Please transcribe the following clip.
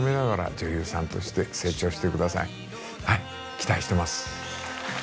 はい期待してます。